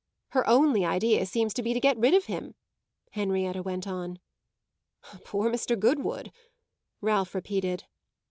"Her only idea seems to be to get rid of him," Henrietta went on. "Poor Mr. Goodwood!" Ralph repeated.